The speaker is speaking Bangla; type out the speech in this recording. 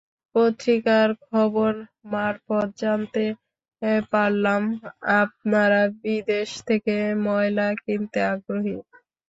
পত্রিকার খবর মারফত জানতে পারলাম, আপনারা বিদেশ থেকে ময়লা কিনতে আগ্রহী।